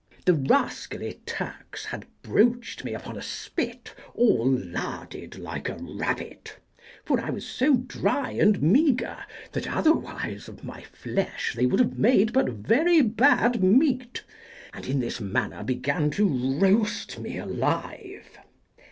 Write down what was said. The rascally Turks had broached me upon a spit all larded like a rabbit, for I was so dry and meagre that otherwise of my flesh they would have made but very bad meat, and in this manner began to roast me alive.